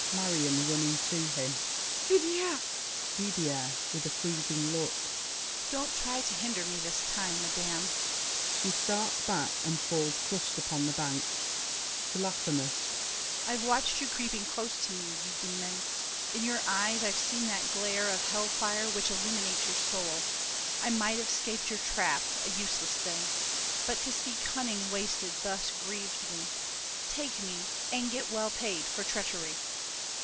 MARION (running to him). Didier! DIDIER (with a freezing look). Don't try to hinder me this time, Madame! [She starts back and falls crushed upon the bank: to Laffemas. I've watched you creeping close to me, You demon! In your eyes I've seen that glare Of hell fire which illuminates your soul. I might have 'scaped your trap—a useless thing; But to see cunning wasted thus grieved me. Take me, and get well paid for treachery.